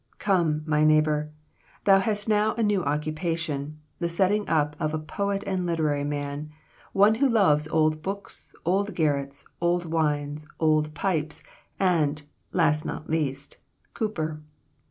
Come, my neighbor! thou hast now a new occupation, the setting up of a poet and literary man, one who loves old books, old garrets, old wines, old pipes, and (last not least) Cowper.